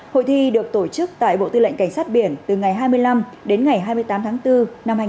hội thi được tổ chức tại bộ tư lệnh cảnh sát biển từ ngày hai mươi năm đến ngày hai mươi tám tháng bốn năm hai nghìn hai mươi